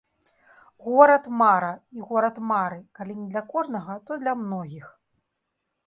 Горад-мара і горад мары калі не для кожнага, то для многіх.